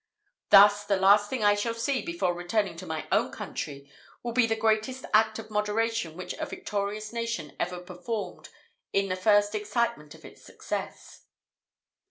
Thus, the last thing I shall see, before returning to my own country, will be the greatest act of moderation which a victorious nation ever performed in the first excitement of its success."